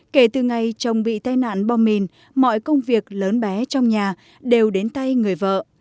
kể từ ngày chồng bị tai nạn bom mìn mọi công việc lớn bé trong nhà đều đến tay người vợ